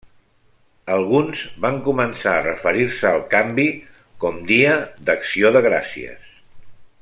Alguns van començar a referir-se al canvi com Dia d'Acció de Gràcies.